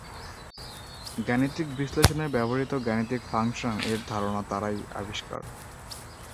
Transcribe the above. গাণিতিক বিশ্লেষণে ব্যবহৃত গাণিতিক ফাংশন-এর ধারণা তারই আবিষ্কার।